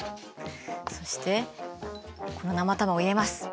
そしてこの生卵入れます。